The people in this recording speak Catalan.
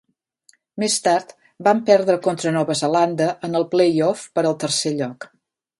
Més tard van perdre contra Nova Zelanda en el playoff per al tercer lloc.